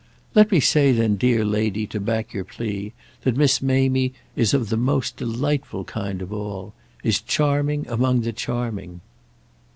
"Let me say then, dear lady, to back your plea, that Miss Mamie is of the most delightful kind of all—is charming among the charming."